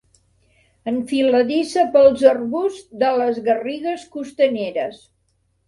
Enfiladissa pels arbusts de les garrigues costaneres.